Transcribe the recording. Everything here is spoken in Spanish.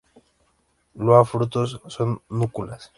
Loa frutos son núculas.